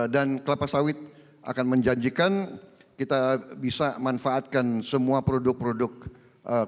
dan kelapa sawit akan menjanjikan kita bisa manfaatkan semua produk produk kelapa sawit ini